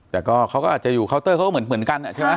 แต่ก็เขาก็อาจจะอยู่เคาน์เตอร์เขาก็เหมือนกันใช่ไหม